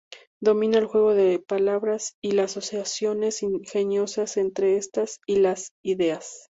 Domina el juego de palabras y las asociaciones ingeniosas entre estas y las ideas.